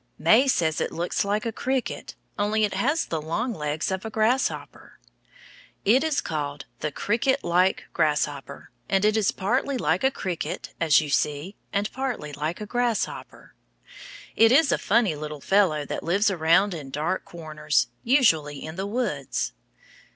May says it looks like a cricket, only it has the long legs of a grasshopper. It is called the cricket like grasshopper, and it is partly like a cricket, as you see, and partly like a grasshopper. It is a funny little fellow that lives around in dark corners, usually in the woods.